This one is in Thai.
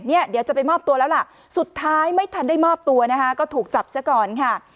เดี๋ยวจะไปมอบตัวแล้วล่ะสุดท้ายไม่ทันได้มอบตัวนะคะก็ถูกจับซะก่อนค่ะ